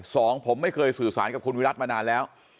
สองผมไม่เคยสื่อสารกับคุณวิรัติมานานแล้ว